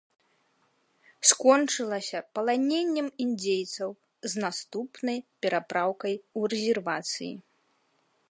Скончылася паланеннем індзейцаў з наступнай перапраўкай у рэзервацыі.